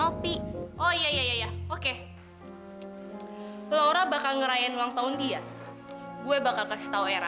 roti oh iya iya oke lora bakal ngerayain ulang tahun dia gue bakal kasih tau era